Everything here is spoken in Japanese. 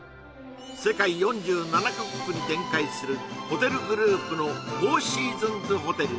世界４７か国に展開するホテルグループのフォーシーズンズホテル